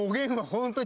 本当に。